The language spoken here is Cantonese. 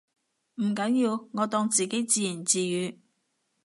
唔緊要，我當自己自言自語